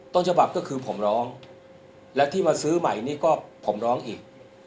ต้นฉบับก็คือผมร้องและที่มาซื้อใหม่นี่ก็ผมร้องอีก